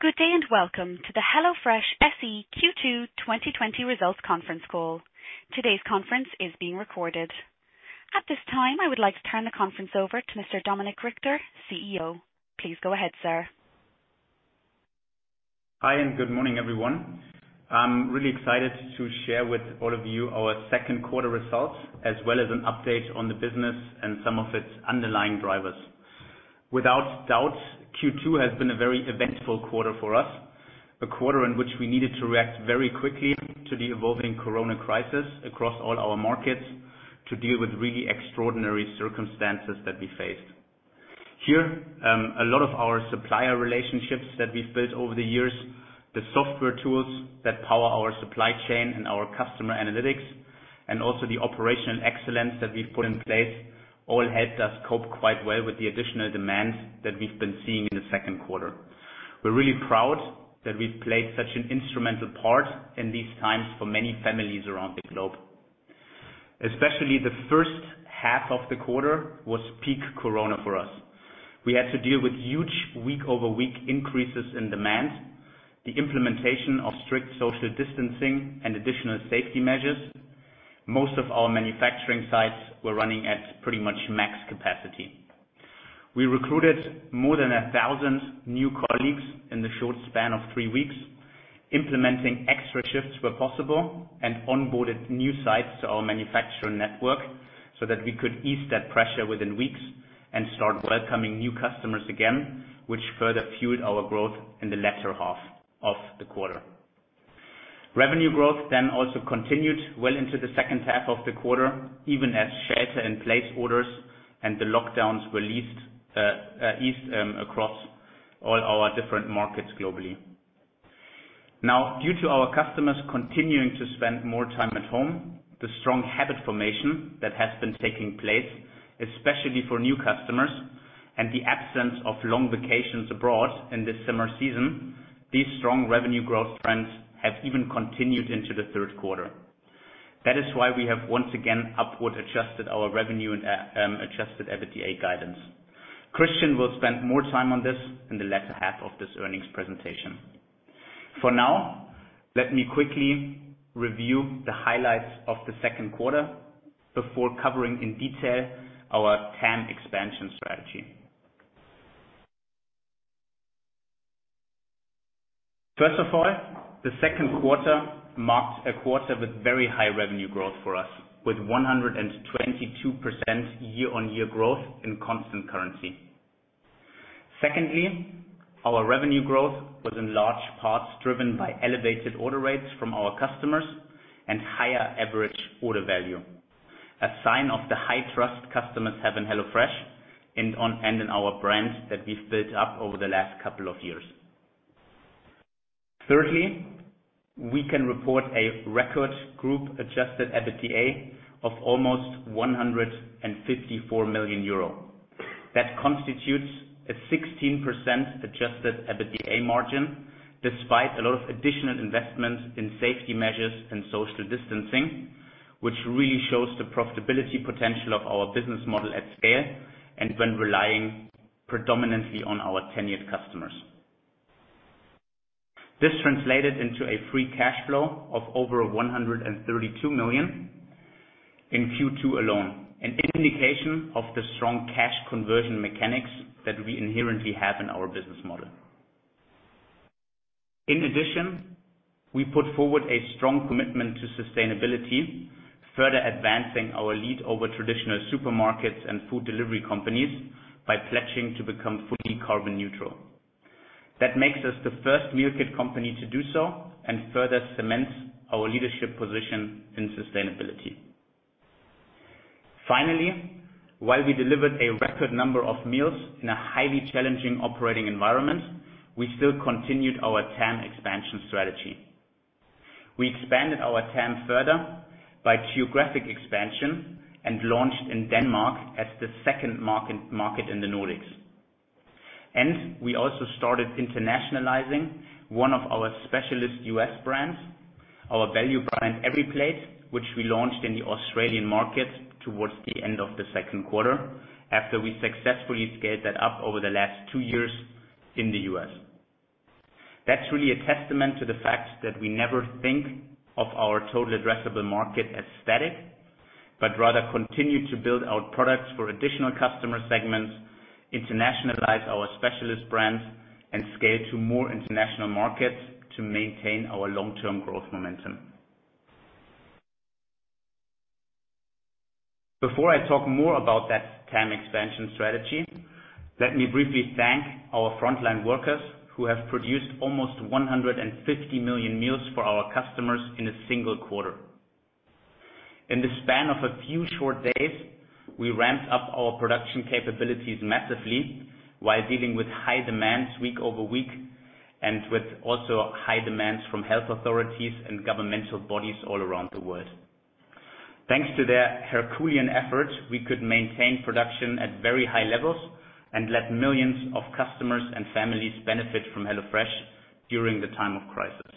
Good day, welcome to the HelloFresh SE Q2 2020 results conference call. Today's conference is being recorded. At this time, I would like to turn the conference over to Mr. Dominik Richter, CEO. Please go ahead, sir. Hi, good morning, everyone. I'm really excited to share with all of you our second quarter results, as well as an update on the business and some of its underlying drivers. Without doubt, Q2 has been a very eventful quarter for us. A quarter in which we needed to react very quickly to the evolving corona crisis across all our markets to deal with really extraordinary circumstances that we faced. Here, a lot of our supplier relationships that we've built over the years, the software tools that power our supply chain and our customer analytics, and also the operational excellence that we've put in place, all helped us cope quite well with the additional demands that we've been seeing in the second quarter. We're really proud that we've played such an instrumental part in these times for many families around the globe. Especially the first half of the quarter was peak corona for us. We had to deal with huge week-over-week increases in demand, the implementation of strict social distancing and additional safety measures. Most of our manufacturing sites were running at pretty much max capacity. We recruited more than 1,000 new colleagues in the short span of three weeks, implementing extra shifts where possible, and onboarded new sites to our manufacturing network so that we could ease that pressure within weeks and start welcoming new customers again, which further fueled our growth in the latter half of the quarter. Revenue growth also continued well into the second half of the quarter, even as shelter in place orders and the lockdowns were leased, eased across all our different markets globally. Now, due to our customers continuing to spend more time at home, the strong habit formation that has been taking place, especially for new customers, and the absence of long vacations abroad in this summer season, these strong revenue growth trends have even continued into the third quarter. That is why we have once again upward adjusted our revenue and adjusted EBITDA guidance. Christian will spend more time on this in the latter half of this earnings presentation. For now, let me quickly review the highlights of the second quarter before covering in detail our TAM expansion strategy. First of all, the second quarter marked a quarter with very high revenue growth for us, with 122% year-on-year growth in constant currency. Secondly, our revenue growth was in large parts driven by elevated order rates from our customers and higher average order value. A sign of the high trust customers have in HelloFresh and in our brand that we've built up over the last couple of years. Thirdly, we can report a record group adjusted EBITDA of almost 154 million euro. That constitutes a 16% adjusted EBITDA margin, despite a lot of additional investments in safety measures and social distancing, which really shows the profitability potential of our business model at scale and when relying predominantly on our tenured customers. This translated into a free cash flow of over 132 million in Q2 alone, an indication of the strong cash conversion mechanics that we inherently have in our business model. In addition, we put forward a strong commitment to sustainability, further advancing our lead over traditional supermarkets and food delivery companies by pledging to become fully carbon neutral. That makes us the first meal kit company to do so and further cements our leadership position in sustainability. While we delivered a record number of meals in a highly challenging operating environment, we still continued our TAM expansion strategy. We expanded our TAM further by geographic expansion and launched in Denmark as the second market in the Nordics. We also started internationalizing one of our specialist U.S. brands, our value brand EveryPlate, which we launched in the Australian market towards the end of the second quarter after we successfully scaled that up over the last two years in the U.S. That's really a testament to the fact that we never think of our total addressable market as static, but rather continue to build out products for additional customer segments, internationalize our specialist brands, and scale to more international markets to maintain our long-term growth momentum. Before I talk more about that TAM expansion strategy, let me briefly thank our frontline workers who have produced almost 150 million meals for our customers in a single quarter. In the span of a few short days, we ramped up our production capabilities massively while dealing with high demands week-over-week and with also high demands from health authorities and governmental bodies all around the world. Thanks to their Herculean effort, we could maintain production at very high levels and let millions of customers and families benefit from HelloFresh during the time of crisis.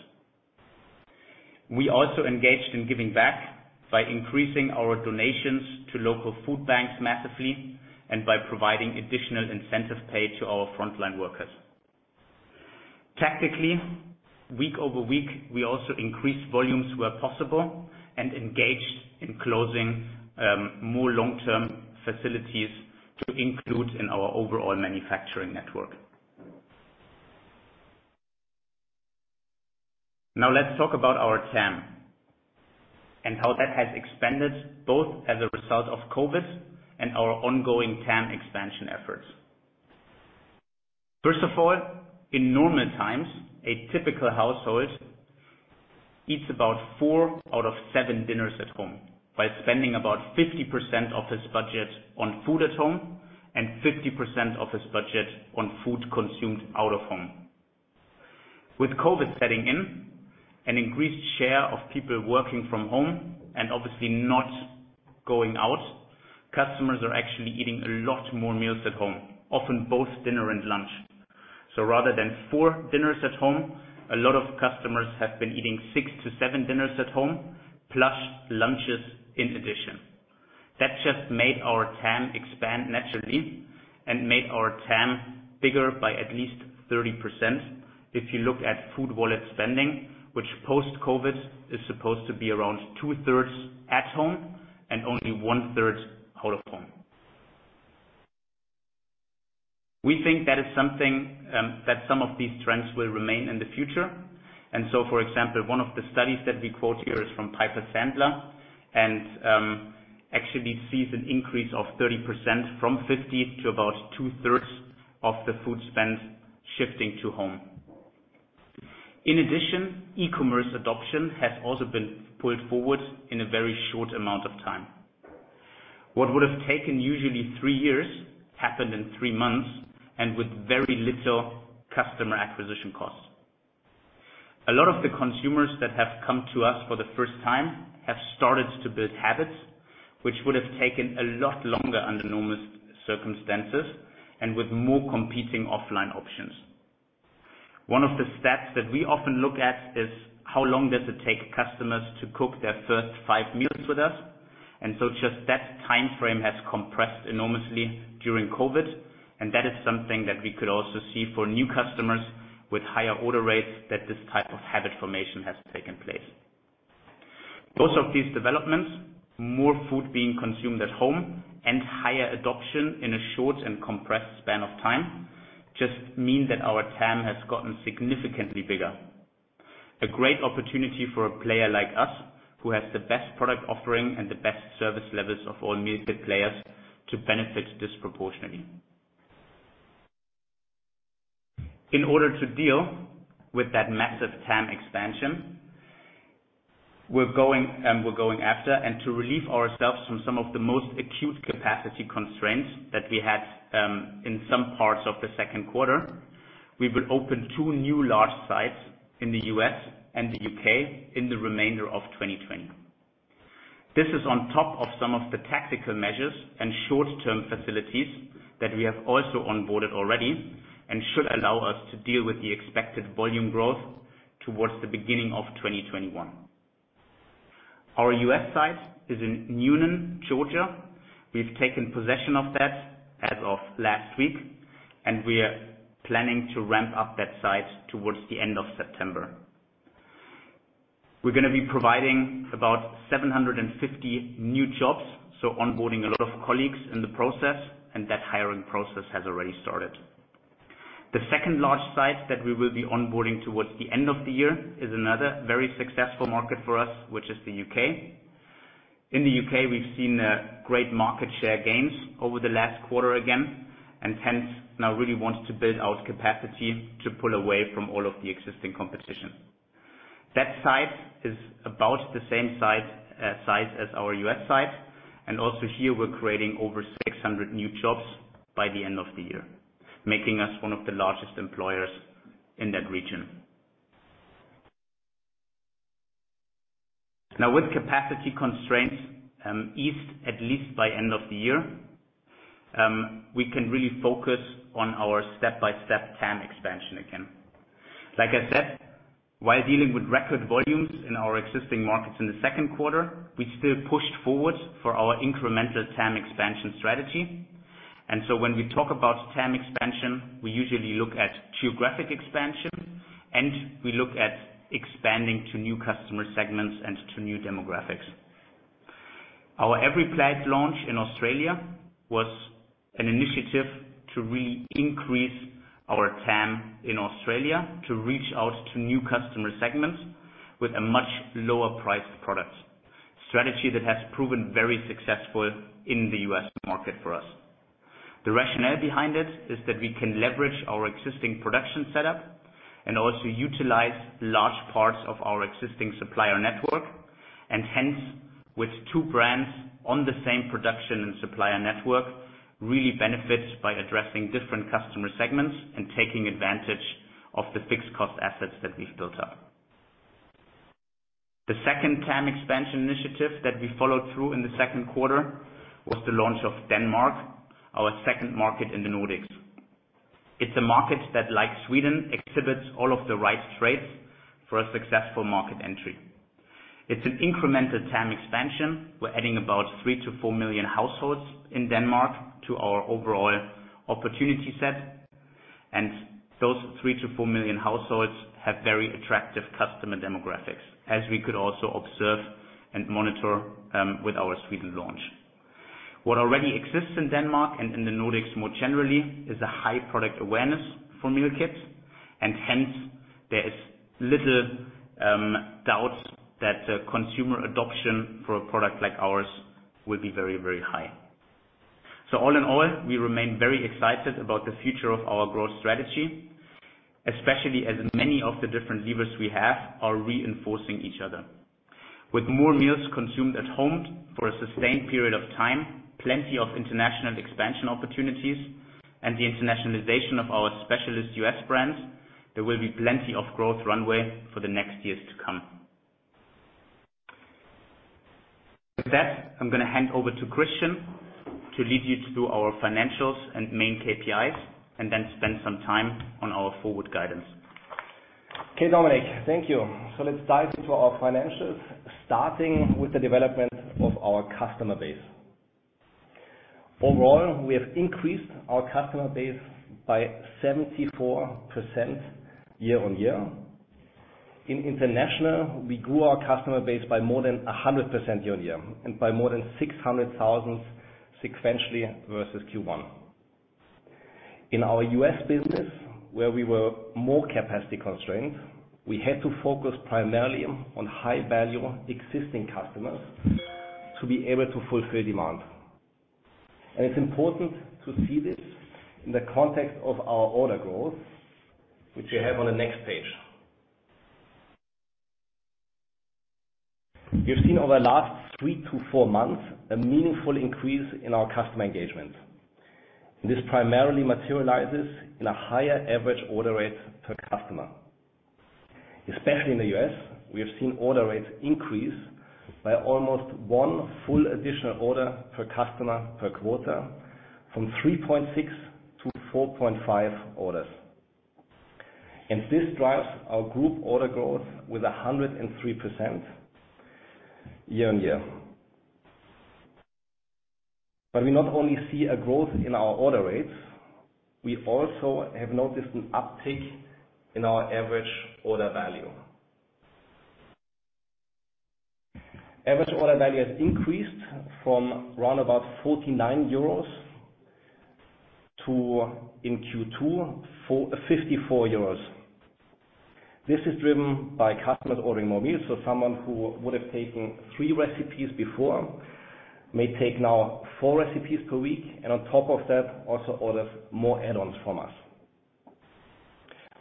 We also engaged in giving back by increasing our donations to local food banks massively and by providing additional incentive pay to our frontline workers. Tactically, week-over-week, we also increased volumes where possible and engaged in closing more long-term facilities to include in our overall manufacturing network. Let's talk about our TAM and how that has expanded both as a result of COVID and our ongoing TAM expansion efforts. First of all, in normal times, a typical household eats about four out of seven dinners at home by spending about 50% of its budget on food at home and 50% of its budget on food consumed out of home. With COVID setting in, an increased share of people working from home and obviously not going out, customers are actually eating a lot more meals at home, often both dinner and lunch. Rather than four dinners at home, a lot of customers have been eating six to seven dinners at home, plus lunches in addition. That just made our TAM expand naturally and made our TAM bigger by at least 30%. If you look at food wallet spending, which post-COVID is supposed to be around two-thirds at home and only one-third out of home. We think that is something that some of these trends will remain in the future. For example, one of the studies that we quote here is from Piper Sandler, actually sees an increase of 30% from 50% to about two-thirds of the food spend shifting to home. In addition, e-commerce adoption has also been pulled forward in a very short amount of time. What would have taken usually three years happened in three months and with very little customer acquisition costs. A lot of the consumers that have come to us for the first time have started to build habits, which would have taken a lot longer under normal circumstances and with more competing offline options. One of the stats that we often look at is how long does it take customers to cook their first five meals with us. Just that time frame has compressed enormously during COVID, and that is something that we could also see for new customers with higher order rates that this type of habit formation has taken place. Both of these developments, more food being consumed at home and higher adoption in a short and compressed span of time, just mean that our TAM has gotten significantly bigger. A great opportunity for a player like us, who has the best product offering and the best service levels of all meal kit players, to benefit disproportionately. In order to deal with that massive TAM expansion, we're going after and to relieve ourselves from some of the most acute capacity constraints that we had in some parts of the second quarter, we will open two new large sites in the U.S. and the U.K. in the remainder of 2020. This is on top of some of the tactical measures and short-term facilities that we have also onboarded already and should allow us to deal with the expected volume growth towards the beginning of 2021. Our U.S. site is in Newnan, Georgia. We've taken possession of that as of last week, and we are planning to ramp up that site towards the end of September. We're gonna be providing about 750 new jobs, so onboarding a lot of colleagues in the process, and that hiring process has already started. The second large site that we will be onboarding towards the end of the year is another very successful market for us, which is the U.K. In the U.K., we've seen great market share gains over the last quarter again, hence now really want to build out capacity to pull away from all of the existing competition. That site is about the same site size as our U.S. site, also here we're creating over 600 new jobs by the end of the year, making us one of the largest employers in that region. Now, with capacity constraints eased at least by end of the year, we can really focus on our step-by-step TAM expansion again. Like I said, while dealing with record volumes in our existing markets in the second quarter, we still pushed forward for our incremental TAM expansion strategy. When we talk about TAM expansion, we usually look at geographic expansion, and we look at expanding to new customer segments and to new demographics. Our EveryPlate launch in Australia was an initiative to re-increase our TAM in Australia to reach out to new customer segments with a much lower priced product, strategy that has proven very successful in the U.S. market for us. The rationale behind it is that we can leverage our existing production setup and also utilize large parts of our existing supplier network. Hence, with two brands on the same production and supplier network, really benefit by addressing different customer segments and taking advantage of the fixed cost assets that we've built up. The second TAM expansion initiative that we followed through in the second quarter was the launch of Denmark, our second market in the Nordics. It's a market that, like Sweden, exhibits all of the right traits for a successful market entry. It's an incremental TAM expansion. We're adding about three to four million households in Denmark to our overall opportunity set, and those three to four million households have very attractive customer demographics, as we could also observe and monitor with our Sweden launch. What already exists in Denmark and in the Nordics more generally, is a high product awareness for meal kits, and hence, there is little doubts that consumer adoption for a product like ours will be very, very high. All in all, we remain very excited about the future of our growth strategy, especially as many of the different levers we have are reinforcing each other. With more meals consumed at home for a sustained period of time, plenty of international expansion opportunities, and the internationalization of our specialist U.S. brands, there will be plenty of growth runway for the next years to come. With that, I'm gonna hand over to Christian to lead you through our financials and main KPIs, and then spend some time on our forward guidance. Okay, Dominik, thank you. Let's dive into our financials, starting with the development of our customer base. Overall, we have increased our customer base by 74% year-on-year. In international, we grew our customer base by more than 100% year-on-year and by more than 600,000 sequentially versus Q1. In our U.S. business, where we were more capacity constrained, we had to focus primarily on high value existing customers to be able to fulfill demand. It's important to see this in the context of our order growth, which you have on the next page. We've seen over the last three to four months a meaningful increase in our customer engagement, and this primarily materializes in a higher average order rate per customer. Especially in the U.S., we have seen order rates increase by almost one full additional order per customer per quarter from 3.6 to 4.5 orders. This drives our group order growth with 103% year-on-year. We not only see a growth in our order rates, we also have noticed an uptick in our average order value. Average order value has increased from round about 49 euros to, in Q2, for 54 euros. This is driven by customers ordering more meals, so someone who would have taken three recipes before may take now four recipes per week, and on top of that, also orders more add-ons from us.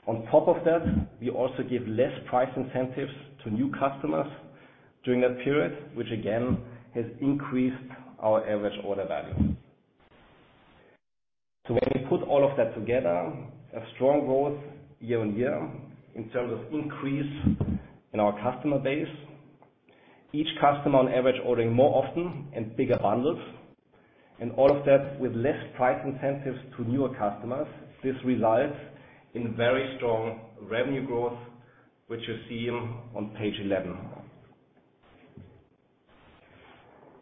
On top of that, we also give less price incentives to new customers during that period, which again, has increased our average order value. When we put all of that together, a strong growth year-on-year in terms of increase in our customer base. Each customer on average ordering more often and bigger bundles, and all of that with less price incentives to newer customers. This results in very strong revenue growth, which you see on page 11.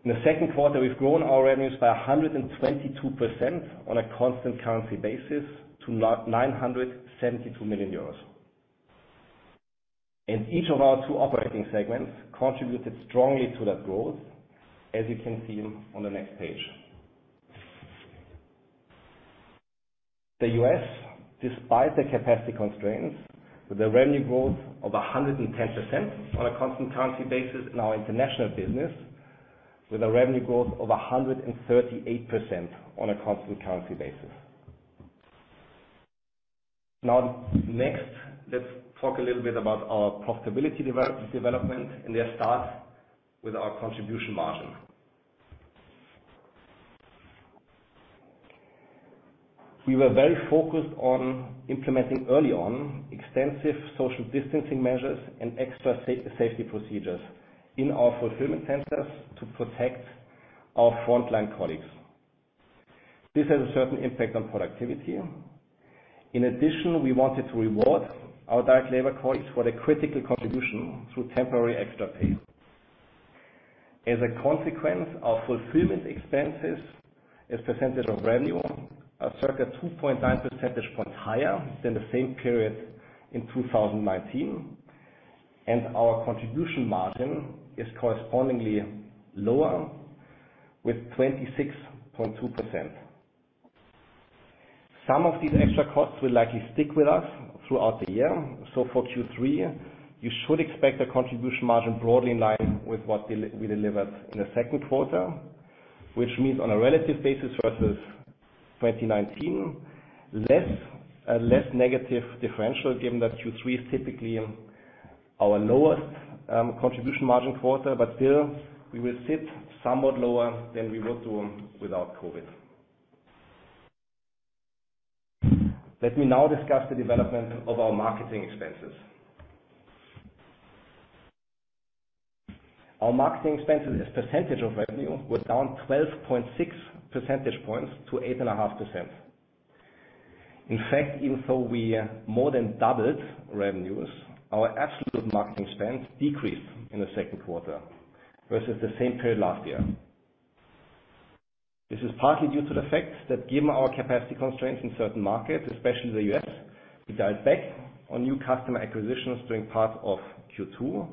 In the second quarter, we've grown our revenues by 122% on a constant currency basis to 972 million euros. Each of our two operating segments contributed strongly to that growth, as you can see on the next page. The U.S., despite the capacity constraints, with a revenue growth of 110% on a constant currency basis in our international business with a revenue growth of 138% on a constant currency basis. Next, let's talk a little bit about our profitability development, and let's start with our contribution margin. We were very focused on implementing early on extensive social distancing measures and extra safety procedures in our fulfillment centers to protect our frontline colleagues. This has a certain impact on productivity. In addition, we wanted to reward our direct labor colleagues for their critical contribution through temporary extra pay. As a consequence, our fulfillment expenses as a percentage of revenue are circa 2.9 percentage points higher than the same period in 2019, and our contribution margin is correspondingly lower with 26.2%. Some of these extra costs will likely stick with us throughout the year. For Q3, you should expect a contribution margin broadly in line with what we delivered in the second quarter, which means on a relative basis versus 2019, less, a less negative differential, given that Q3 is typically our lowest contribution margin quarter. Still, we will sit somewhat lower than we would do without COVID. Let me now discuss the development of our marketing expenses. Our marketing expenses as percentage of revenue was down 12.6 percentage points to 8.5%. Even though we more than doubled revenues, our absolute marketing spends decreased in the second quarter versus the same period last year. This is partly due to the fact that given our capacity constraints in certain markets, especially the U.S., we dialed back on new customer acquisitions during part of Q2.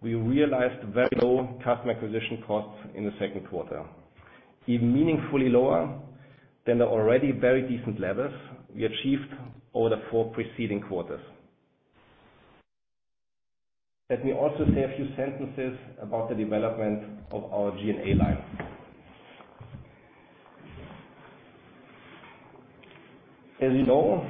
We realized very low customer acquisition costs in the second quarter, even meaningfully lower than the already very decent levels we achieved over the four preceding quarters. Let me also say a few sentences about the development of our G&A line. As you know,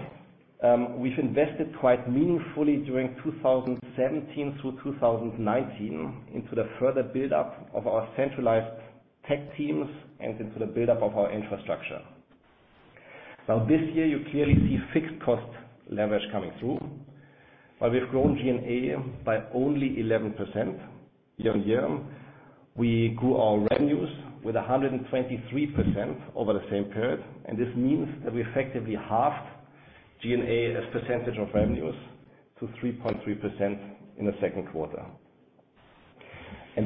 we've invested quite meaningfully during 2017 through 2019 into the further buildup of our centralized tech teams and into the buildup of our infrastructure. This year you clearly see fixed cost leverage coming through. While we've grown G&A by only 11% year-over-year, we grew our revenues with 123% over the same period. This means that we effectively halved G&A as % of revenues to 3.3% in the second quarter.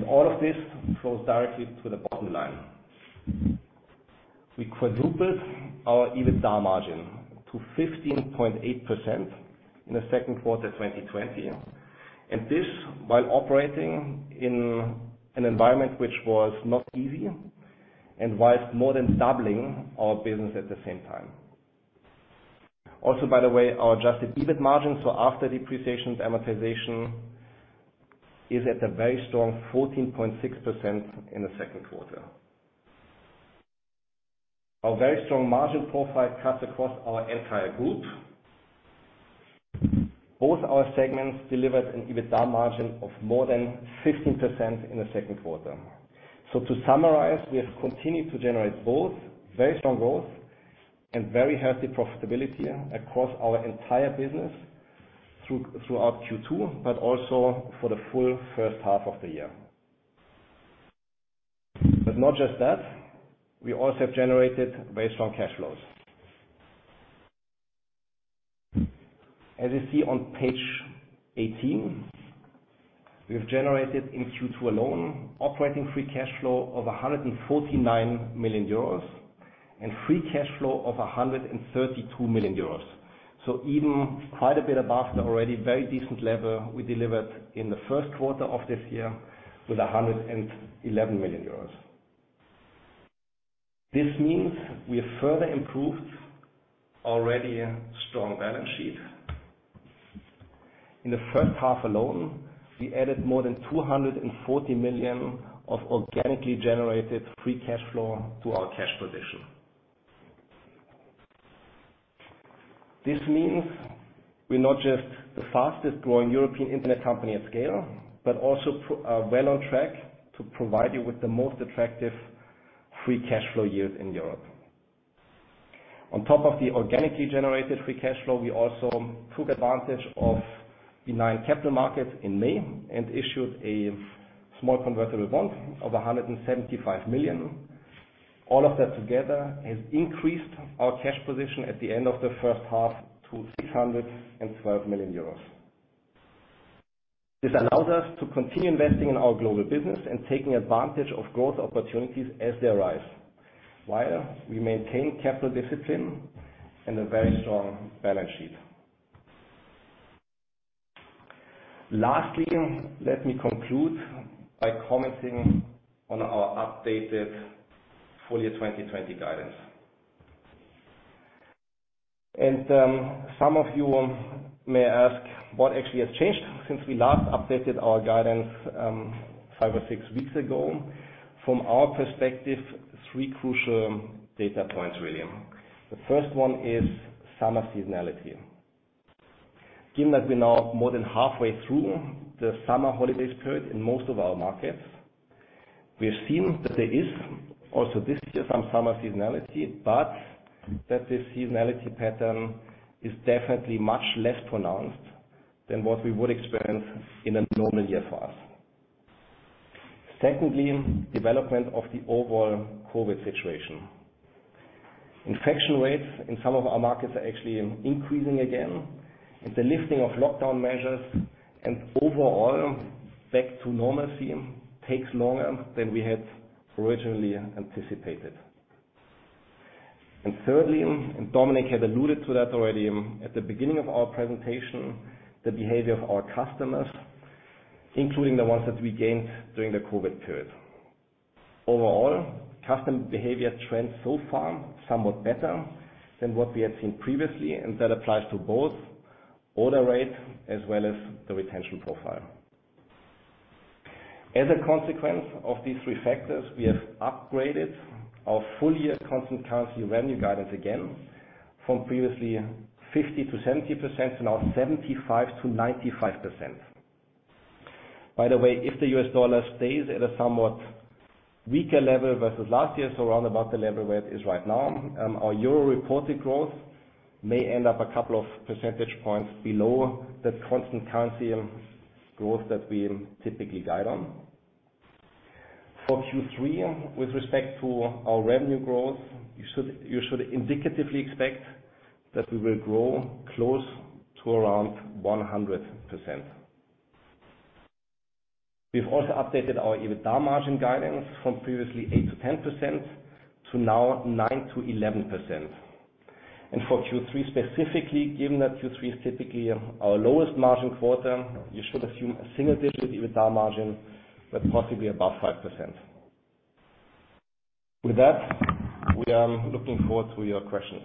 All of this flows directly to the bottom line. We quadrupled our EBITDA margin to 15.8% in the second quarter, 2020. This while operating in an environment which was not easy and whilst more than doubling our business at the same time. By the way, our adjusted EBIT margin, so after depreciation amortization, is at a very strong 14.6% in the second quarter. Our very strong margin profile cuts across our entire group. Both our segments delivered an EBITDA margin of more than 15% in the second quarter. To summarize, we have continued to generate both very strong growth and very healthy profitability across our entire business throughout Q2, also for the full first half of the year. Not just that, we also have generated very strong cash flows. As you see on page 18, we've generated in Q2 alone operating free cash flow of 149 million euros and free cash flow of 132 million euros. Even quite a bit above the already very decent level we delivered in the 1st quarter of this year with 111 million euros. We have further improved already a strong balance sheet. In the 1st half alone, we added more than 240 million of organically generated free cash flow to our cash position. We're not just the fastest growing European Internet company at scale, but also well on track to provide you with the most attractive free cash flow yield in Europe. On top of the organically generated free cash flow, we also took advantage of benign capital markets in May and issued a small convertible bond of 175 million. All of that together has increased our cash position at the end of the first half to 612 million euros. This allows us to continue investing in our global business and taking advantage of growth opportunities as they arise, while we maintain capital discipline and a very strong balance sheet. Lastly, let me conclude by commenting on our updated full year 2020 guidance. Some of you may ask what actually has changed since we last updated our guidance five or six weeks ago. From our perspective, three crucial data points, really. The first one is summer seasonality. Given that we're now more than halfway through the summer holiday period in most of our markets, we have seen that there is also this year some summer seasonality, but that the seasonality pattern is definitely much less pronounced than what we would experience in a normal year for us. Secondly, development of the overall COVID situation. Infection rates in some of our markets are actually increasing again, and the lifting of lockdown measures and overall back to normalcy takes longer than we had originally anticipated. Thirdly, Dominik had alluded to that already at the beginning of our presentation, the behavior of our customers, including the ones that we gained during the COVID period. Overall, customer behavior trends so far somewhat better than what we had seen previously, and that applies to both order rate as well as the retention profile. As a consequence of these three factors, we have upgraded our full year constant currency revenue guidance again from previously 50%-70% to now 75%-95%. By the way, if the US dollar stays at a somewhat weaker level versus last year, so around about the level where it is right now. Our euro reported growth may end up a couple of percentage points below that constant currency growth that we typically guide on. For Q3, with respect to our revenue growth, you should indicatively expect that we will grow close to around 100%. We've also updated our EBITDA margin guidance from previously 8%-10% to now 9%-11%. For Q3 specifically, given that Q3 is typically our lowest margin quarter, you should assume a single-digit EBITDA margin, but possibly above 5%. With that, we are looking forward to your questions.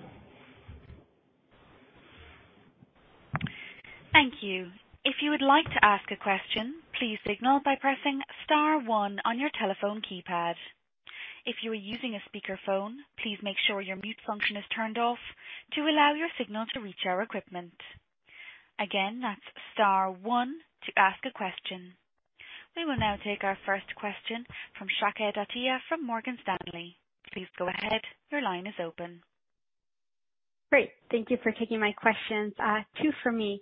Thank you. If you would like to ask a question, please signal by pressing star one on your telephone keypad. If you are using a speakerphone, please make sure your mute function is turned off to allow your signal to reach our equipment. Again, that's star one to ask a question. We will now take our first question from [Kasha Bhatia] from Morgan Stanley. Please go ahead. Your line is open. Great. Thank you for taking my questions. Two for me.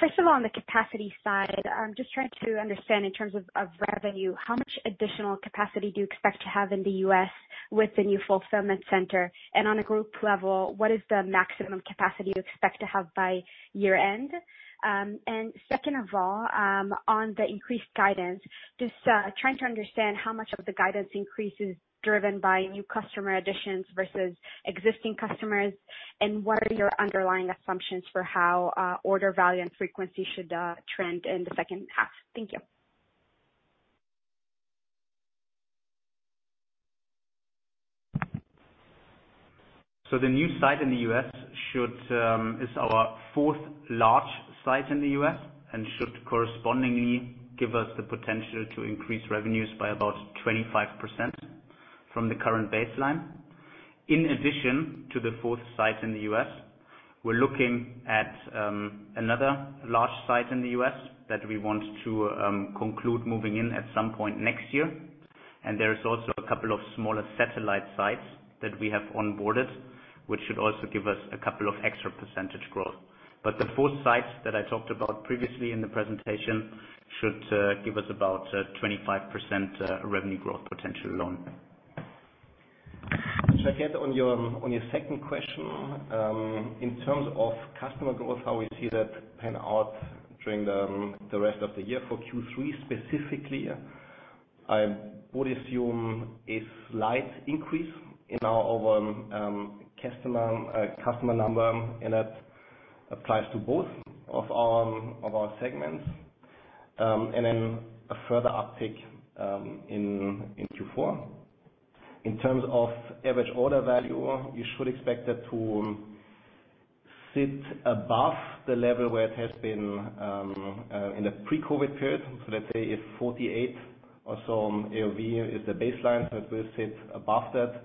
First of all, on the capacity side, I'm just trying to understand in terms of revenue, how much additional capacity do you expect to have in the U.S. with the new fulfillment center? On a group level, what is the maximum capacity you expect to have by year-end? Second of all, on the increased guidance, just trying to understand how much of the guidance increase is driven by new customer additions versus existing customers, and what are your underlying assumptions for how order value and frequency should trend in the second half? Thank you. The new site in the U.S. should is our fourth large site in the U.S. and should correspondingly give us the potential to increase revenues by about 25% from the current baseline. In addition to the fourth site in the U.S., we're looking at another large site in the U.S. that we want to conclude moving in at some point next year. There is also a couple of smaller satellite sites that we have onboarded, which should also give us a couple of extra percentage growth. The fourth site that I talked about previously in the presentation should give us about 25% revenue growth potential alone. [Kasha], on your second question, in terms of customer growth, how we see that pan out during the rest of the year. For Q3 specifically, I would assume a slight increase in our overall customer number, and that applies to both of our segments, and then a further uptick in Q4. In terms of average order value, you should expect that to sit above the level where it has been in the pre-COVID period. Let's say if 48 or so AOV is the baseline, it will sit above that,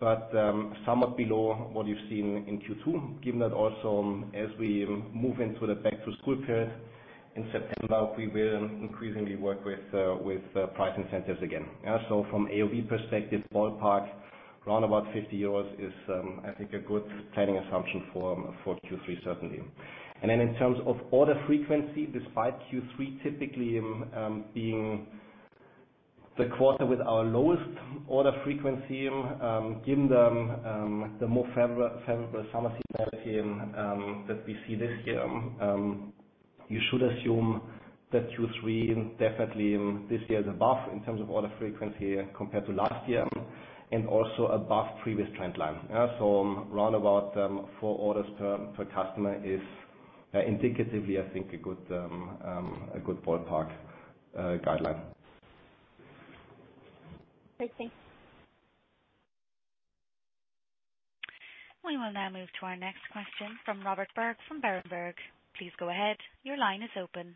but somewhat below what you've seen in Q2. Given that also, as we move into the back-to-school period in September, we will increasingly work with price incentives again. From AOV perspective, ballpark around about 50 euros is, I think a good planning assumption for Q3, certainly. In terms of order frequency, despite Q3 typically being the quarter with our lowest order frequency, given the more favorable summer seasonality that we see this year, you should assume that Q3 definitely this year is above in terms of order frequency compared to last year and also above previous trend line. Around about four orders per customer is, indicatively, I think a good a good ballpark guideline. Great. Thanks. We will now move to our next question from Robert Berg from Berenberg. Please go ahead. Your line is open.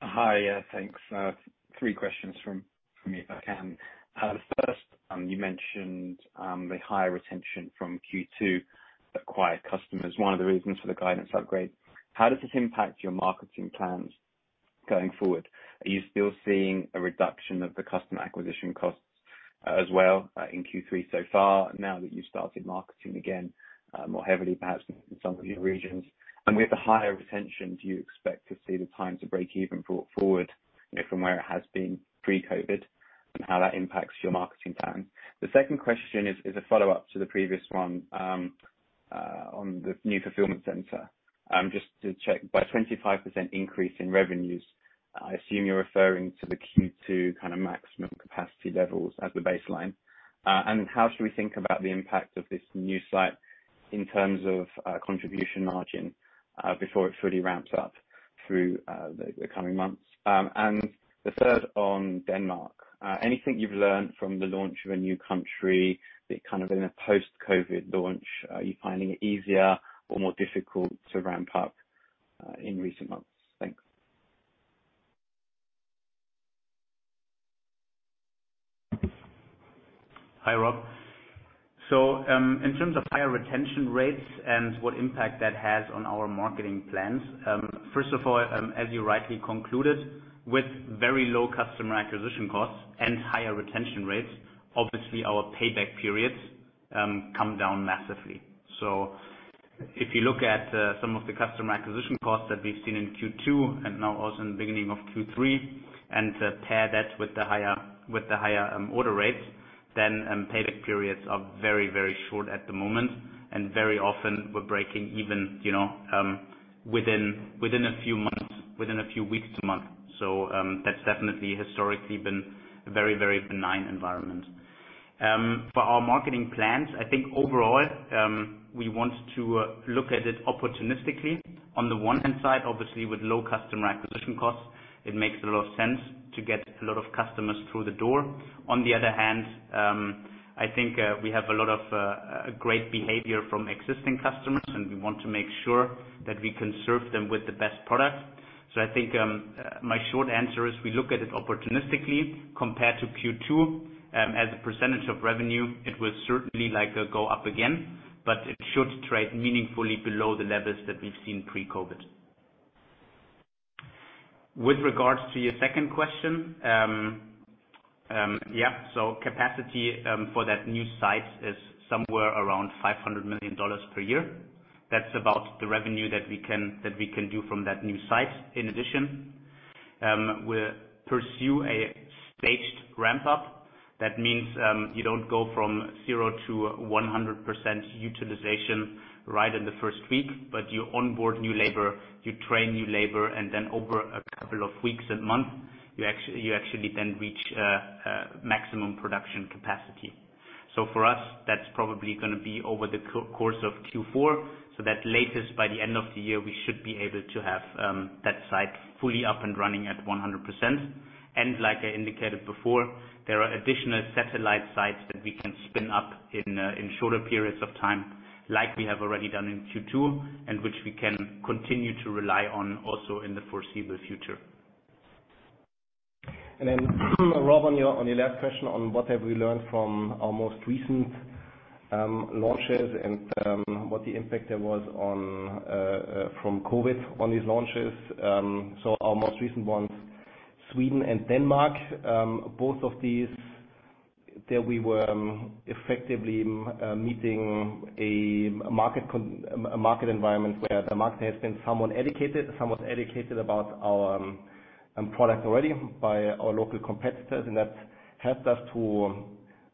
Hi. Thanks. Three questions from me, if I can. The 1st, you mentioned the higher retention from Q2 acquired customers, one of the reasons for the guidance upgrade. How does this impact your marketing plans going forward? Are you still seeing a reduction of the customer acquisition costs, as well, in Q3 so far, now that you've started marketing again, more heavily, perhaps in some of your regions? With the higher retention, do you expect to see the time to break even brought forward, you know, from where it has been pre-COVID, and how that impacts your marketing plan? The second question is a follow-up to the previous one, on the new fulfillment center. Just to check, by 25% increase in revenues, I assume you're referring to the Q2 kind of maximum capacity levels as the baseline. How should we think about the impact of this new site in terms of contribution margin before it fully ramps up through the coming months? The third on Denmark. Anything you've learned from the launch of a new country that kind of in a post-COVID launch, are you finding it easier or more difficult to ramp up in recent months? Thanks. Hi, Rob. In terms of higher retention rates and what impact that has on our marketing plans, first of all, as you rightly concluded, with very low customer acquisition costs and higher retention rates, obviously our payback periods come down massively. If you look at some of the customer acquisition costs that we've seen in Q2 and now also in the beginning of Q3, and to pair that with the higher order rates, then payback periods are very, very short at the moment. Very often we're breaking even, you know, within a few months, within a few weeks, a month. That's definitely historically been a very, very benign environment. For our marketing plans, I think overall, we want to look at it opportunistically. On the one hand side, obviously with low customer acquisition costs, it makes a lot of sense to get a lot of customers through the door. On the other hand, I think we have a lot of great behavior from existing customers, and we want to make sure that we can serve them with the best product. I think my short answer is we look at it opportunistically compared to Q2. As a percentage of revenue, it will certainly, like, go up again, but it should trade meaningfully below the levels that we've seen pre-COVID. With regards to your second question, yeah. Capacity for that new site is somewhere around $500 million per year. That's about the revenue that we can do from that new site. In addition, we'll pursue a staged ramp up. That means, you don't go from 0% to 100% utilization right in the first week, but you onboard new labor, you train new labor, and then over a couple of weeks and months, you actually then reach maximum production capacity. For us, that's probably gonna be over the course of Q4, so that latest by the end of the year, we should be able to have that site fully up and running at 100%. Like I indicated before, there are additional satellite sites that we can spin up in shorter periods of time, like we have already done in Q2, and which we can continue to rely on also in the foreseeable future. Rob, on your last question on what have we learned from our most recent launches and what the impact there was from COVID on these launches. Our most recent ones, Sweden and Denmark, both of these, there we were effectively meeting a market environment where the market has been somewhat educated about our product already by our local competitors, and that helped us to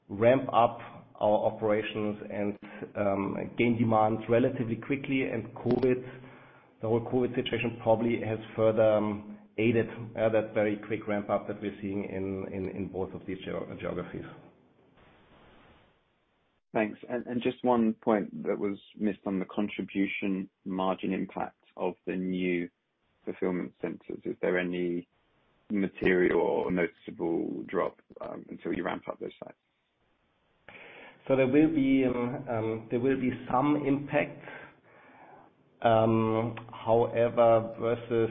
ramp up our operations and gain demand relatively quickly. COVID, the whole COVID situation probably has further aided that very quick ramp up that we're seeing in both of these geographies. Thanks. Just one point that was missed on the contribution margin impact of the new fulfillment centers. Is there any material or noticeable drop until you ramp up those sites? There will be some impact. However, versus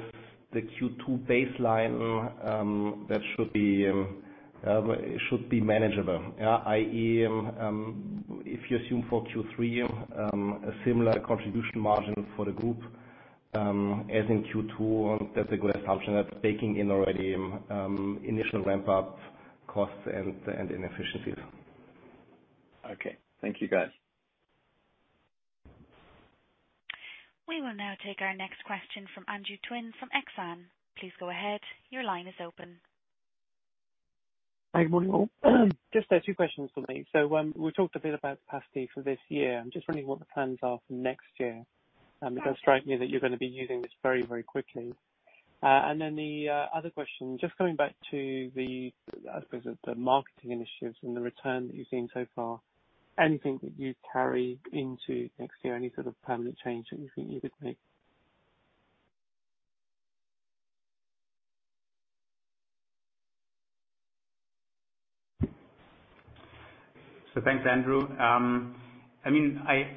the Q2 baseline, that should be manageable. Yeah. i.e., if you assume for Q3, a similar contribution margin for the group, as in Q2, that's a good assumption at baking in already, initial ramp up costs and inefficiencies. Okay. Thank you, guys. We will now take our next question from Andrew Gwynn from Exane. Please go ahead. Your line is open. Good morning, all. Just two questions for me. We talked a bit about capacity for this year. I'm just wondering what the plans are for next year. It does strike me that you're going to be using this very quickly. The other question, just coming back to the, I suppose, the marketing initiatives and the return that you've seen so far. Anything that you'd carry into next year? Any sort of permanent change that you think you would make? Thanks, Andrew. I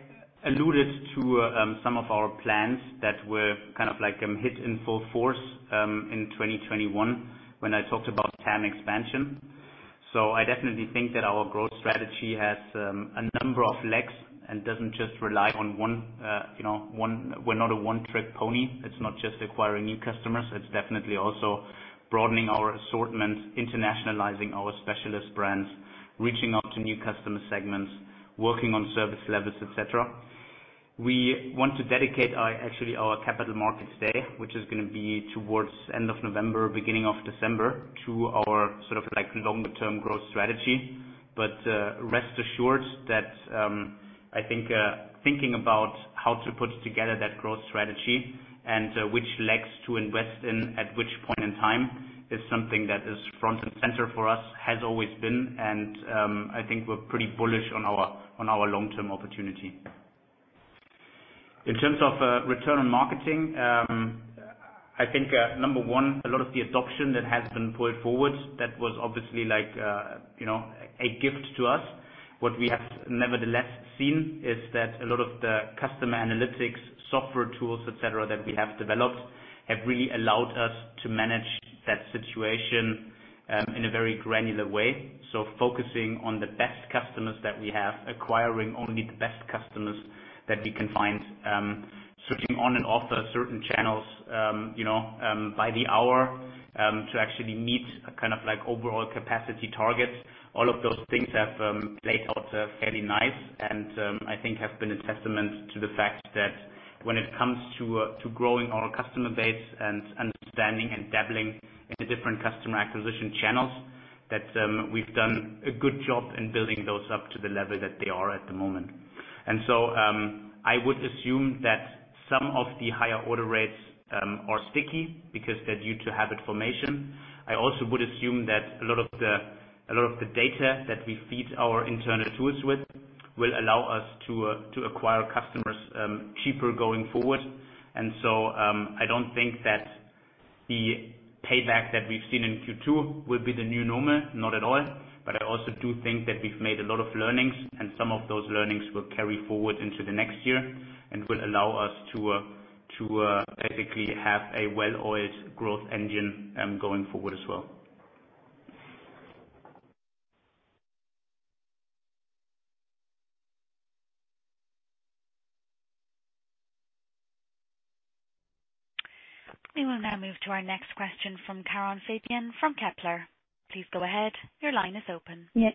alluded to some of our plans that were kind of hit in full force in 2021 when I talked about TAM expansion. I definitely think that our growth strategy has a number of legs and doesn't just rely on one. We're not a one-trick pony. It's not just acquiring new customers. It's definitely also broadening our assortment, internationalizing our specialist brands, reaching out to new customer segments, working on service levels, et cetera. We want to dedicate our capital markets day, which is gonna be towards end of November, beginning of December, to our longer term growth strategy. Rest assured that, I think, thinking about how to put together that growth strategy and which legs to invest in at which point in time is something that is front and center for us, has always been. I think we're pretty bullish on our long-term opportunity. In terms of return on marketing, I think, number one, a lot of the adoption that has been pulled forward, that was obviously like, you know, a gift to us. What we have nevertheless seen is that a lot of the customer analytics, software tools, et cetera, that we have developed have really allowed us to manage that situation in a very granular way. Focusing on the best customers that we have, acquiring only the best customers that we can find, switching on and off of certain channels, you know, by the hour, to actually meet a kind of like overall capacity targets. All of those things have played out fairly nice and I think have been a testament to the fact that when it comes to growing our customer base and understanding and dabbling in the different customer acquisition channels, that we've done a good job in building those up to the level that they are at the moment. I would assume that some of the higher order rates are sticky because they're due to habit formation. I also would assume that a lot of the data that we feed our internal tools with will allow us to acquire customers cheaper going forward. I don't think that the payback that we've seen in Q2 will be the new normal. Not at all. I also do think that we've made a lot of learnings, and some of those learnings will carry forward into the next year and will allow us to basically have a well-oiled growth engine going forward as well. We will now move to our next question from Caron Fabienne from Kepler. Please go ahead. Your line is open. Yes.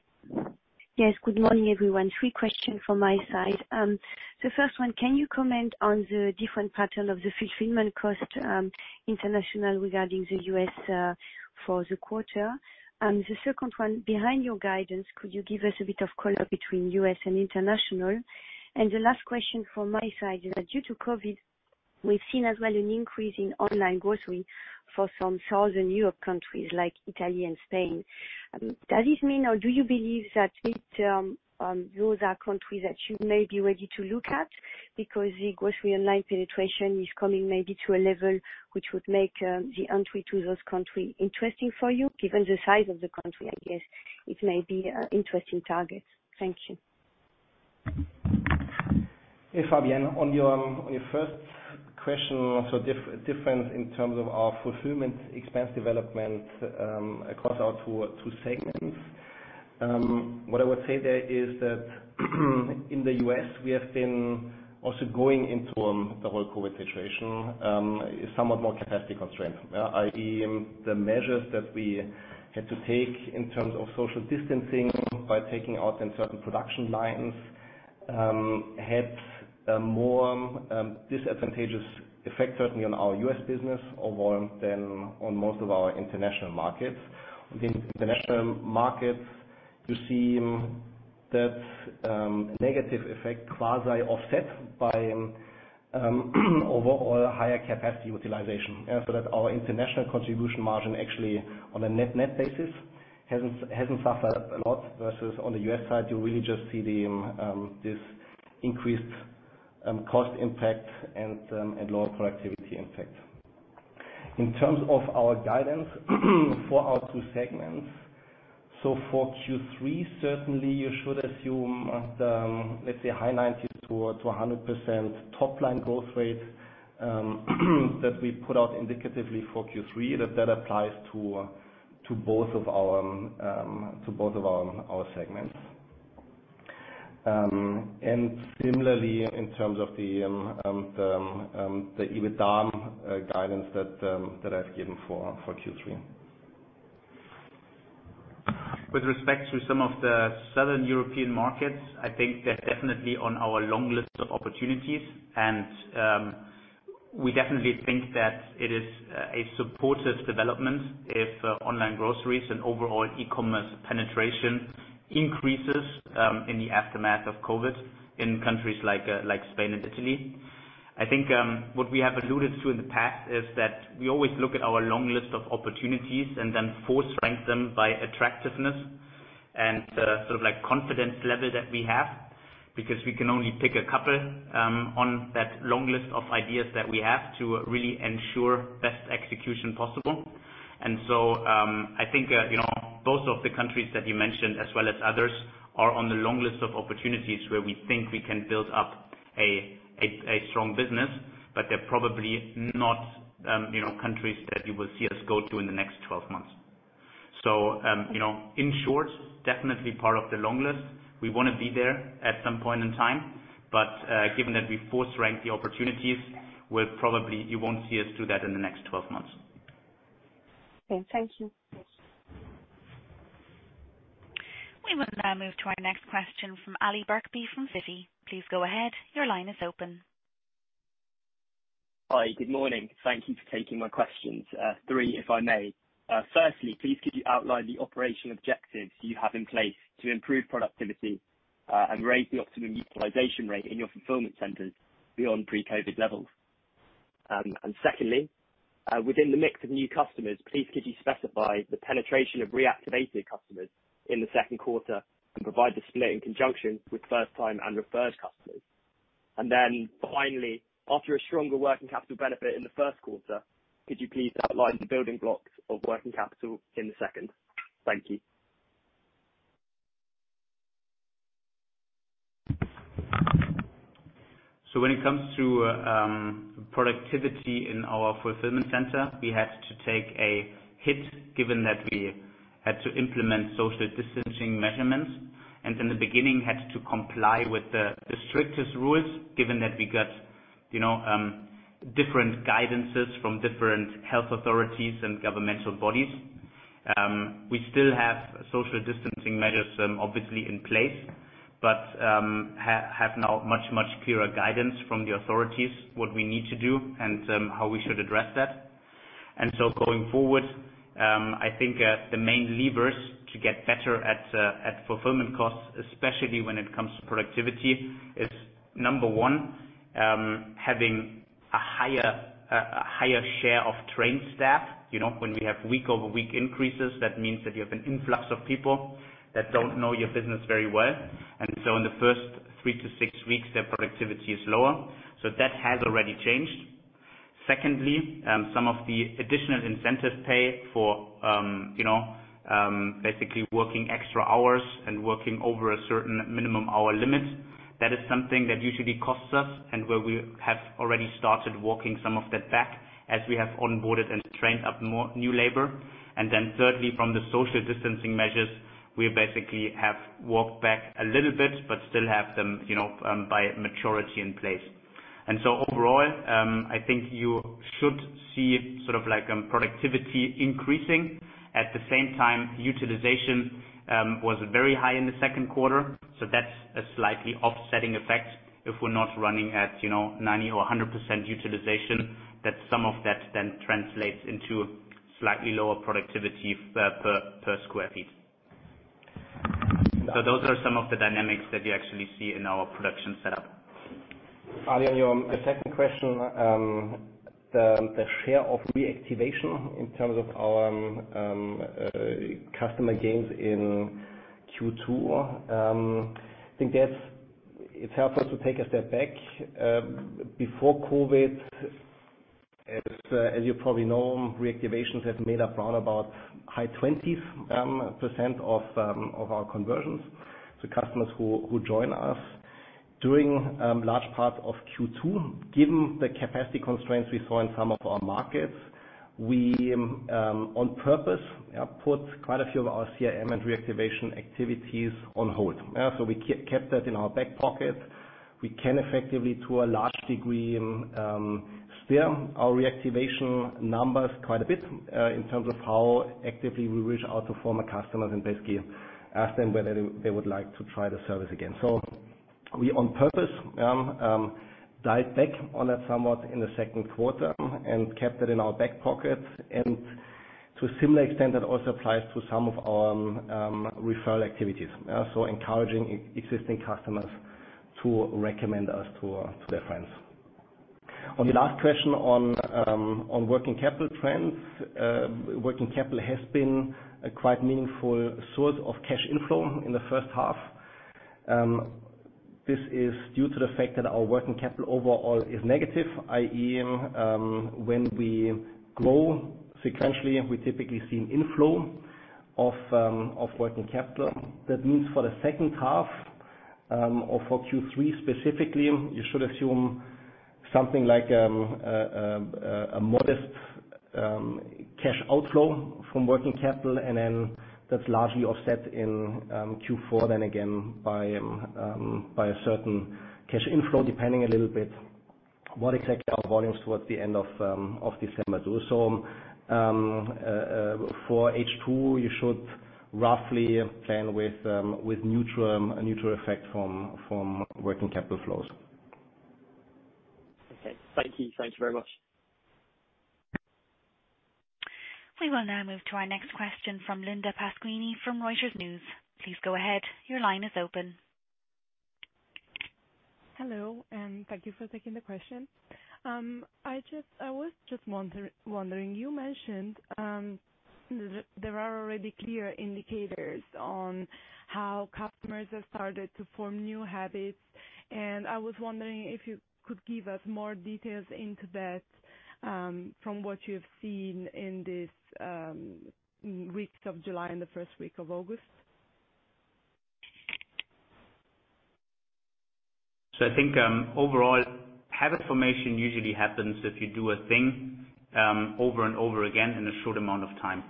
Yes, good morning, everyone. Three questions from my side. The first one, can you comment on the different pattern of the fulfillment cost, international regarding the U.S., for the quarter? The second one, behind your guidance, could you give us a bit of color between U.S. and international? The last question from my side is that due to COVID, we've seen as well an increase in online grocery for some Southern Europe countries like Italy and Spain. Does this mean or do you believe that it, those are countries that you may be ready to look at because the grocery online penetration is coming maybe to a level which would make the entry to those countries interesting for you? Given the size of the country, I guess it may be an interesting target. Thank you. Hey, Fabienne. On your first question, difference in terms of our fulfillment expense development across our two segments. What I would say there is that in the U.S., we have been also going into the whole COVID situation somewhat more capacity constrained. i.e., the measures that we had to take in terms of social distancing by taking out in certain production lines had a more disadvantageous effect certainly on our U.S. business overall than on most of our international markets. In international markets, you see that negative effect quasi offset by overall higher capacity utilization. Yeah. That our international contribution margin actually on a net basis hasn't suffered a lot versus on the U.S. side, you really just see the increased cost impact and lower productivity impact. In terms of our guidance for our two segments. For Q3, certainly you should assume the, let's say high 90% to 100% top line growth rate that we put out indicatively for Q3. That applies to both of our segments. Similarly in terms of the EBITDA guidance that I've given for Q3. With respect to some of the Southern European markets, I think they're definitely on our long list of opportunities. We definitely think that it is a supportive development if online groceries and overall e-commerce penetration increases in the aftermath of COVID in countries like Spain and Italy. I think, what we have alluded to in the past is that we always look at our long list of opportunities and then force rank them by attractiveness and, sort of like confidence level that we have because we can only pick a couple on that long list of ideas that we have to really ensure best execution possible. I think, you know, both of the countries that you mentioned as well as others are on the long list of opportunities where we think we can build up a strong business, but they're probably not, you know, countries that you will see us go to in the next 12 months. You know, in short, definitely part of the long list. We wanna be there at some point in time. Given that we force rank the opportunities, You won't see us do that in the next 12 months. Okay. Thank you. We will now move to our next question from Ali Birkby from Citi. Please go ahead. Your line is open. Hi. Good morning. Thank you for taking my questions. Three, if I may. Firstly, please could you outline the operational objectives you have in place to improve productivity and raise the optimum utilization rate in your fulfillment centers beyond pre-COVID levels? Secondly, within the mix of new customers, please could you specify the penetration of reactivated customers in the second quarter and provide the split in conjunction with first-time and referred customers? Finally, after a stronger working capital benefit in the first quarter, could you please outline the building blocks of working capital in the second? Thank you. When it comes to productivity in our fulfillment center, we had to take a hit, given that we had to implement social distancing measurements, and in the beginning, had to comply with the strictest rules, given that we got, you know, different guidance from different health authorities and governmental bodies. We still have social distancing measures, obviously in place, but have now much clearer guidance from the authorities, what we need to do and how we should address that. Going forward, I think the main levers to get better at fulfillment costs, especially when it comes to productivity, is number one, having a higher share of trained staff. You know, when we have week-over-week increases, that means that you have an influx of people that don't know your business very well. In the first 3-6 weeks, their productivity is lower. Secondly, some of the additional incentive pay for, you know, basically working extra hours and working over a certain minimum hour limit. That is something that usually costs us and where we have already started working some of that back as we have onboarded and trained up more new labor. Thirdly, from the social distancing measures, we basically have walked back a little bit, but still have them, you know, by maturity in place. Overall, I think you should see sort of like productivity increasing. At the same time, utilization was very high in the second quarter. That's a slightly offsetting effect. If we're not running at 90% or 100% utilization, that some of that then translates into slightly lower productivity per square feet. Those are some of the dynamics that you actually see in our production setup. Ali, the second question, the share of reactivation in terms of our customer gains in Q2. I think it's helpful to take a step back. Before COVID, as you probably know, reactivations have made up around about high 20% of our conversions. Customers who join us during large parts of Q2, given the capacity constraints we saw in some of our markets, we on purpose put quite a few of our CRM and reactivation activities on hold. We kept that in our back pocket. We can effectively, to a large degree, steer our reactivation numbers quite a bit in terms of how actively we reach out to former customers and basically ask them whether they would like to try the service again. We on purpose dialed back on that somewhat in the second quarter and kept it in our back pocket. To a similar extent, that also applies to some of our referral activities. Encouraging existing customers to recommend us to their friends. On the last question on working capital trends. Working capital has been a quite meaningful source of cash inflow in the first half. This is due to the fact that our working capital overall is negative, i.e., when we grow sequentially, we typically see an inflow of working capital. For the second half, or for Q3 specifically, you should assume something like a modest cash outflow from working capital. That's largely offset in Q4 then again by a certain cash inflow, depending a little bit what exactly our volumes towards the end of December do. For H2, you should roughly plan with a neutral effect from working capital flows. Okay. Thank you. Thanks very much. We will now move to our next question from Linda Pasquini from Reuters News. Please go ahead. Your line is open. Hello, and thank you for taking the question. I was just wondering, you mentioned, there are already clear indicators on how customers have started to form new habits, and I was wondering if you could give us more details into that, from what you've seen in this, weeks of July and the first week of August. I think, overall, habit formation usually happens if you do a thing over and over again in a short amount of time.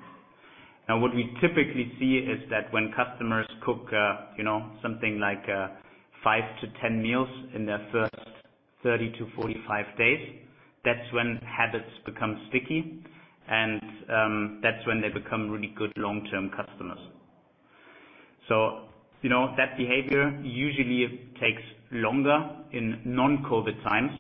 What we typically see is that when customers cook, you know, something like 5-10 meals in their first 30-45 days, that's when habits become sticky and that's when they become really good long-term customers. You know, that behavior usually takes longer in non-COVID times.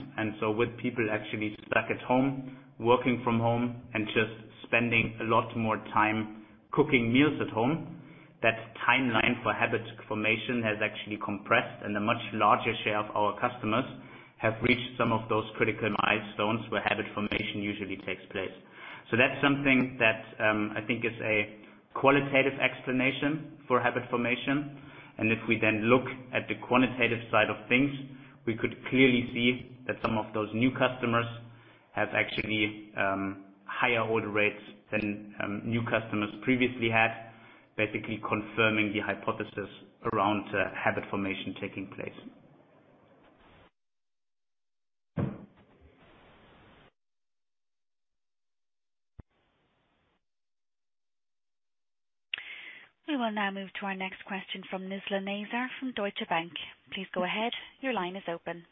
With people actually stuck at home, working from home and just spending a lot more time cooking meals at home, that timeline for habit formation has actually compressed. A much larger share of our customers have reached some of those critical milestones where habit formation usually takes place. That's something that, I think is a qualitative explanation for habit formation. If we then look at the quantitative side of things, we could clearly see that some of those new customers have actually, higher order rates than new customers previously had. Basically confirming the hypothesis around habit formation taking place. We will now move to our next question from Nizla Naizer from Deutsche Bank. Please go ahead. Your line is open.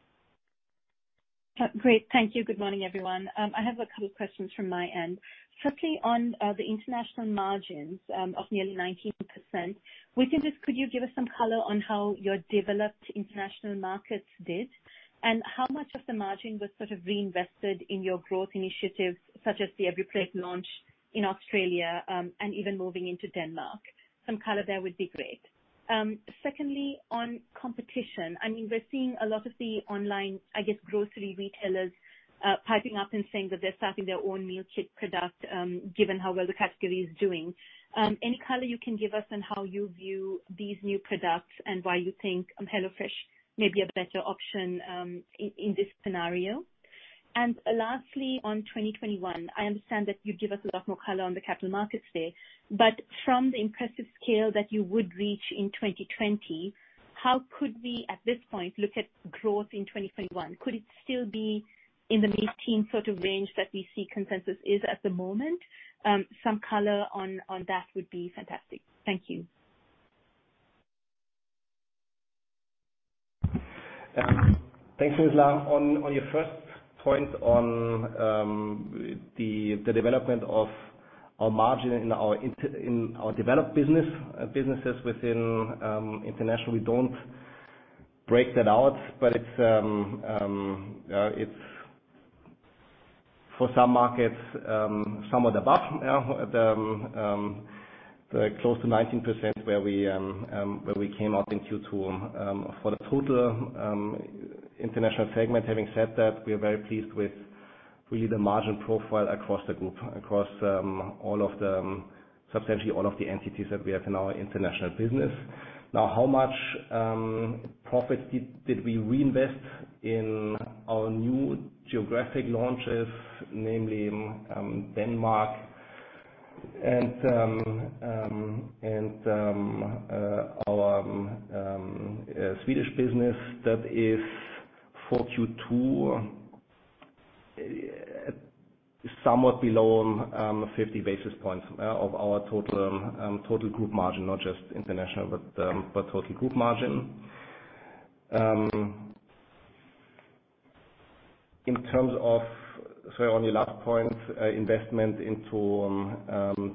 Great. Thank you. Good morning, everyone. I have a couple questions from my end. Firstly, on the international margins of nearly 19%. Could you give us some color on how your developed international markets did? How much of the margin was sort of reinvested in your growth initiatives, such as the EveryPlate launch in Australia, and even moving into Denmark? Some color there would be great. Secondly, on competition, I mean, we're seeing a lot of the online, I guess, grocery retailers piping up and saying that they're starting their own meal kit product, given how well the category is doing. Any color you can give us on how you view these new products and why you think HelloFresh may be a better option in this scenario? Lastly, on 2021, I understand that you'd give us a lot more color on the Capital Markets Day. From the impressive scale that you would reach in 2020, how could we, at this point, look at growth in 2021? Could it still be in the mid-teen sort of range that we see consensus is at the moment? Some color on that would be fantastic. Thank you. Thanks, Nizla. On your first point on the development of our margin in our developed business, businesses within International, we don't break that out. It's for some markets somewhat above the close to 19% where we came out in Q2 for the total International segment. Having said that, we are very pleased with really the margin profile across the group, across all of the substantially all of the entities that we have in our International business. Now, how much profit did we reinvest in our new geographic launches, namely, Denmark and our Swedish business? That is for Q2, somewhat below 50 basis points of our total total group margin, not just international, but total group margin. In terms of Sorry, on your last point, investment into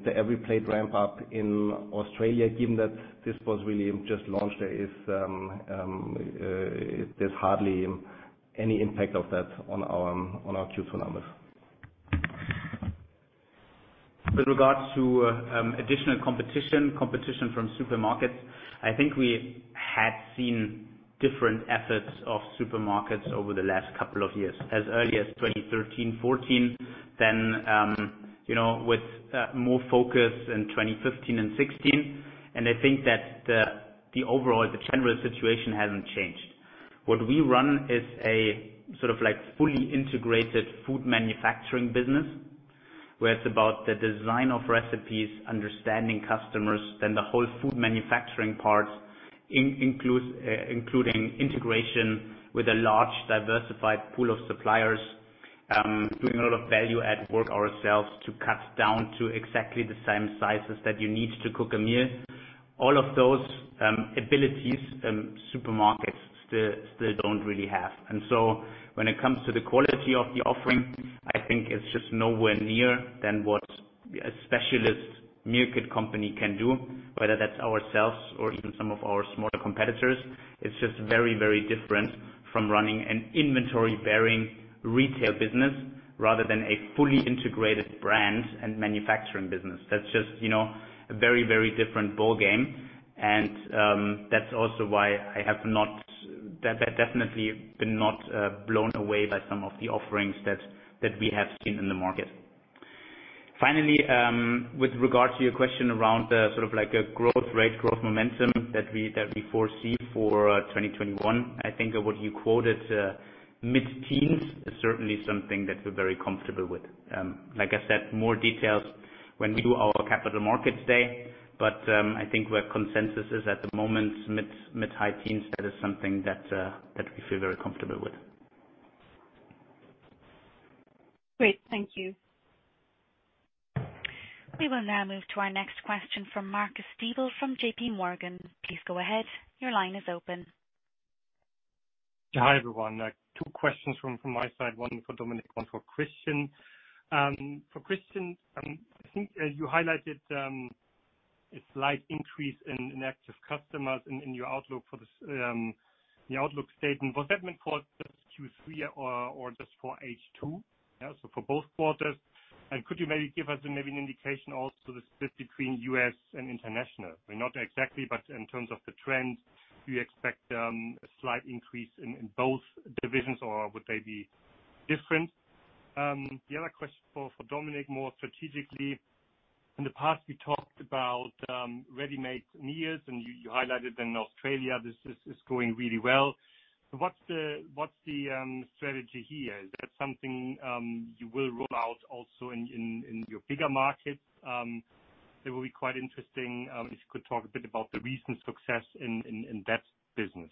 the EveryPlate ramp up in Australia, given that this was really just launched, there's hardly any impact of that on our Q2 numbers. With regards to additional competition from supermarkets, I think we had seen different efforts of supermarkets over the last couple of years, as early as 2013, 2014. With more focus in 2015 and 2016. I think that the overall, the general situation hasn't changed. What we run is a sort of like fully integrated food manufacturing business, where it's about the design of recipes, understanding customers, then the whole food manufacturing parts, including integration with a large diversified pool of suppliers, doing a lot of value add work ourselves to cut down to exactly the same sizes that you need to cook a meal. All of those abilities supermarkets still don't really have. When it comes to the quality of the offering, I think it's just nowhere near than what a specialist meal kit company can do, whether that's ourselves or even some of our smaller competitors. It's just very, very different from running an inventory-bearing retail business rather than a fully integrated brand and manufacturing business. That's just, you know, a very, very different ballgame. That's also why I have not definitely been not blown away by some of the offerings that we have seen in the market. Finally, with regards to your question around the sort of like a growth rate, growth momentum that we foresee for 2021, I think what you quoted mid-teens is certainly something that we're very comfortable with. Like I said, more details when we do our Capital Markets Day, but, I think where consensus is at the moment, mid-high teens, that is something that we feel very comfortable with. Great. Thank you. We will now move to our next question from Marcus Diebel from J.P. Morgan. Please go ahead. Your line is open. Hi, everyone. Two questions from my side, one for Dominik, one for Christian. For Christian, I think you highlighted a slight increase in active customers in your outlook for this, the outlook statement. Was that meant for just Q3 or just for H2? For both quarters. Could you give us an indication also the split between U.S. and international? Not exactly, but in terms of the trends, do you expect a slight increase in both divisions, or would they be different? The other question for Dominik, more strategically. In the past, we talked about ready-made meals, you highlighted in Australia, this is going really well. What's the strategy here? Is that something you will roll out also in your bigger markets? It will be quite interesting, if you could talk a bit about the recent success in that business.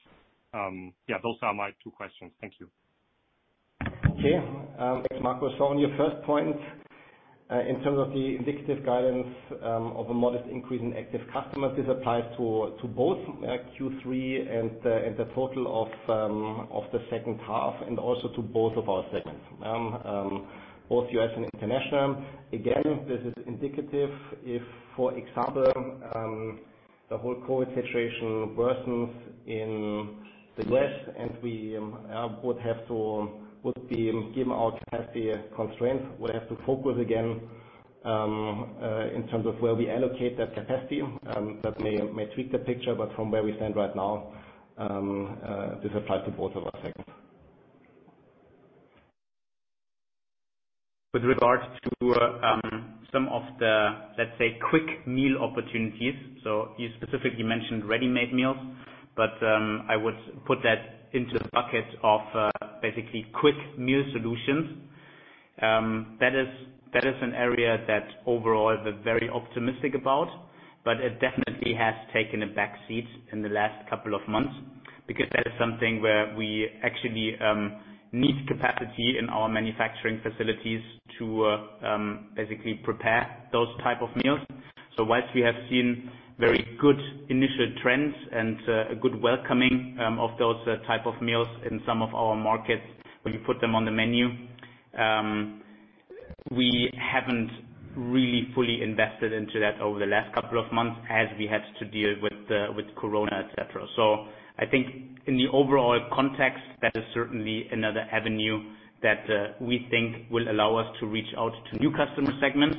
Yeah, those are my two questions. Thank you. Okay. Thanks, Marcus. On your first point, in terms of the indicative guidance, of a modest increase in active customers, this applies to both Q3 and the total of the second half and also to both of our segments, both U.S. and international. Again, this is indicative if, for example, the whole COVID situation worsens in the West and we would be given our capacity constraints, would have to focus again in terms of where we allocate that capacity, that may tweak the picture, but from where we stand right now, this applies to both of our segments. With regards to some of the, let's say, quick meal opportunities. You specifically mentioned ready-made meals, but I would put that into the bucket of basically quick meal solutions. That is an area that overall we're very optimistic about, but it definitely has taken a back seat in the last couple of months because that is something where we actually need capacity in our manufacturing facilities to basically prepare those type of meals. Whilst we have seen very good initial trends and a good welcoming of those type of meals in some of our markets when you put them on the menu, we haven't really fully invested into that over the last couple of months as we had to deal with corona, et cetera. I think in the overall context, that is certainly another avenue that we think will allow us to reach out to new customer segments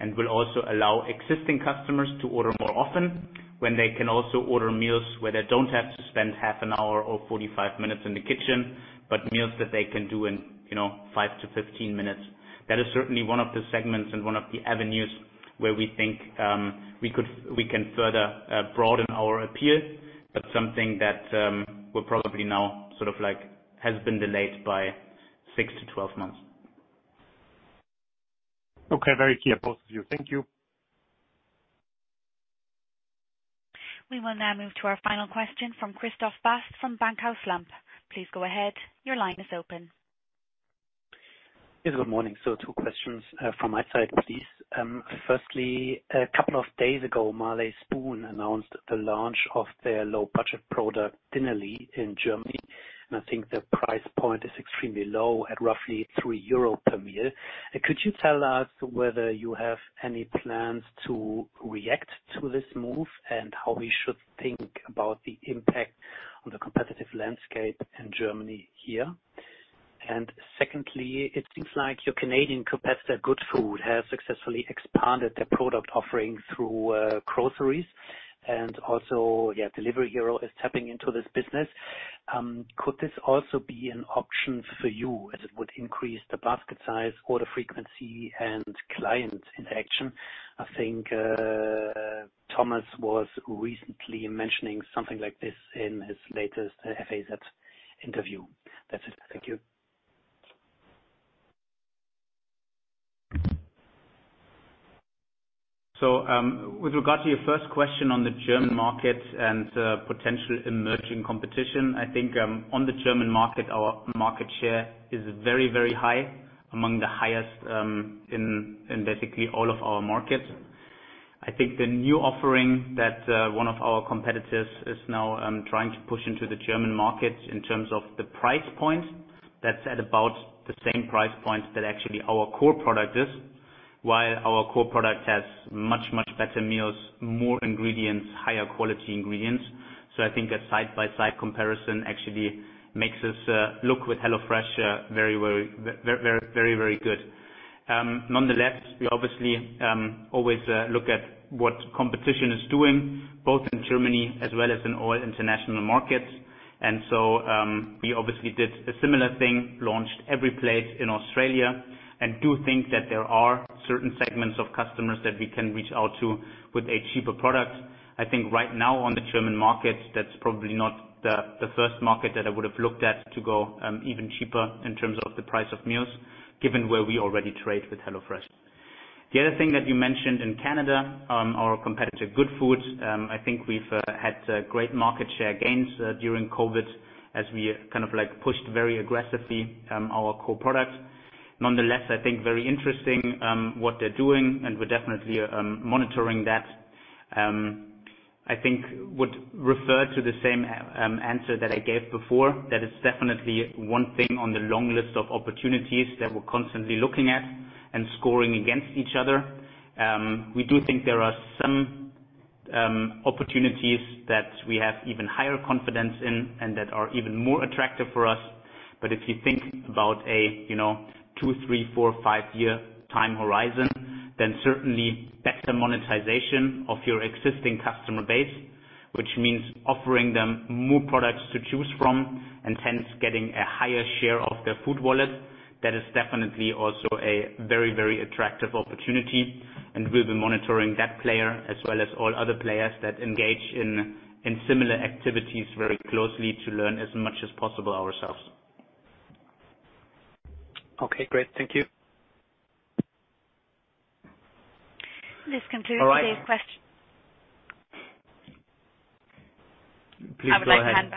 and will also allow existing customers to order more often when they can also order meals where they don't have to spend half an hour or 45 minutes in the kitchen, but meals that they can do in, you know, five to 15 minutes. That is certainly one of the segments and one of the avenues where we think we can further broaden our appeal, but something that will probably now sort of like has been delayed by six to 12 months. Okay. Very clear, both of you. Thank you. We will now move to our final question from Christoph Bast from Bankhaus Lampe. Please go ahead. Your line is open. Yes, good morning. Two questions from my side, please. Firstly, a couple of days ago, Marley Spoon announced the launch of their low budget product Dinnerly in Germany, and I think the price point is extremely low at roughly 3 euro per meal. Could you tell us whether you have any plans to react to this move and how we should think about the impact on the competitive landscape in Germany here? Secondly, it seems like your Canadian competitor, Goodfood, has successfully expanded their product offering through groceries. Also, yeah, Delivery Hero is tapping into this business. Could this also be an option for you as it would increase the basket size, order frequency and client interaction? I think Thomas was recently mentioning something like this in his latest FAZ interview. That's it. Thank you. With regard to your first question on the German market and potential emerging competition, I think on the German market, our market share is very, very high, among the highest in basically all of our markets. I think the new offering that one of our competitors is now trying to push into the German market in terms of the price point, that's at about the same price point that actually our core product is. While our core product has much, much better meals, more ingredients, higher quality ingredients. I think a side-by-side comparison actually makes us look with HelloFresh very well, very, very good. Nonetheless, we obviously always look at what competition is doing both in Germany as well as in all international markets. We obviously did a similar thing, launched EveryPlate in Australia and do think that there are certain segments of customers that we can reach out to with a cheaper product. I think right now on the German market, that's probably not the first market that I would have looked at to go even cheaper in terms of the price of meals, given where we already trade with HelloFresh. The other thing that you mentioned in Canada, our competitor Goodfood, I think we've had great market share gains during COVID as we kind of like pushed very aggressively our core product. Nonetheless, I think very interesting what they're doing, and we're definitely monitoring that. I think would refer to the same answer that I gave before. That is definitely one thing on the long list of opportunities that we're constantly looking at and scoring against each other. We do think there are some opportunities that we have even higher confidence in and that are even more attractive for us. If you think about a, you know, two, three, four, five-year time horizon, then certainly better monetization of your existing customer base, which means offering them more products to choose from and hence getting a higher share of their food wallet. That is definitely also a very, very attractive opportunity, and we'll be monitoring that player as well as all other players that engage in similar activities very closely to learn as much as possible ourselves. Okay, great. Thank you. This concludes today's quest-. Please go ahead.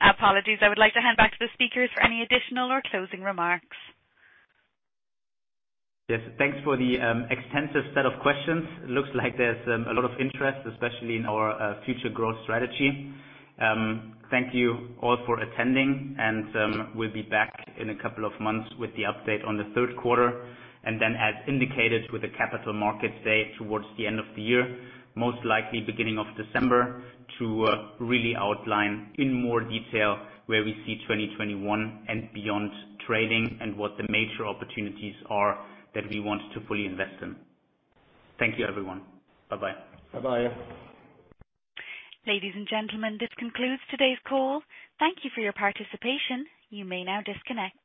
I would like to hand back to the speakers for any additional or closing remarks. Yes, thanks for the extensive set of questions. It looks like there's a lot of interest, especially in our future growth strategy. Thank you all for attending and we'll be back in a couple of months with the update on the third quarter and then as indicated with the Capital Markets Day towards the end of the year, most likely beginning of December, to really outline in more detail where we see 2021 and beyond trading and what the major opportunities are that we want to fully invest in. Thank you everyone. Bye-bye. Bye-bye. Ladies and gentlemen, this concludes today's call. Thank you for your participation. You may now disconnect.